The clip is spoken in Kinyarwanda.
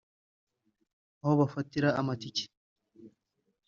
aho bafatira amatike